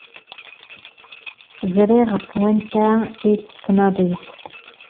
Ẓriɣ ɣef wanta ay tettnadiḍ.